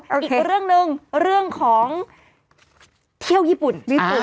อีกเรื่องหนึ่งเรื่องของเที่ยวญี่ปุ่น